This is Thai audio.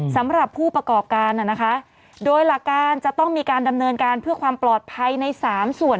สำหรับผู้ประกอบการน่ะนะคะโดยหลักการจะต้องมีการดำเนินการเพื่อความปลอดภัยในสามส่วน